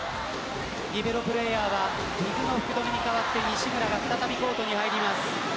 リベロプレーヤーはディグの福留に代わって西村が再びコートに入ります。